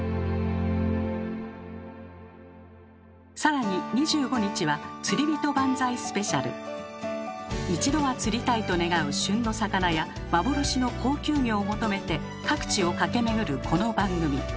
更に一度は釣りたいと願う旬の魚や幻の高級魚を求めて各地を駆け巡るこの番組。